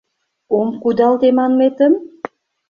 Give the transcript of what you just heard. Ом кудалте манметым?